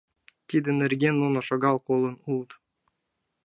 Тидын нерген нуно шагал колын улыт.